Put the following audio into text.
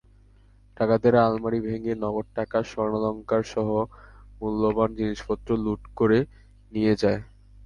ডাকাতেরা আলমারি ভেঙে নগদ টাকা, স্বর্ণালংকারসহ মূল্যবান জিনিসপত্র লুট করে নিয়ে যায়।